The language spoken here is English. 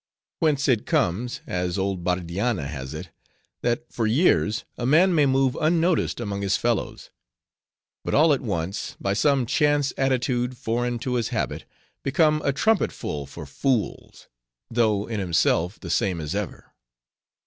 Whence it comes, as old Bardianna has it, that for years a man may move unnoticed among his fellows; but all at once, by some chance attitude, foreign to his habit, become a trumpet full for fools; though, in himself, the same as ever.